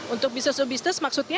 untuk business to business maksudnya